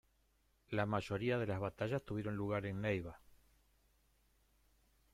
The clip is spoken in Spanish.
La mayoría de las batallas tuvieron lugar en Neiba.